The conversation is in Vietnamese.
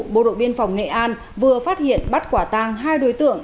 bộ đội biên phòng nghệ an vừa phát hiện bắt quả tang hai đối tượng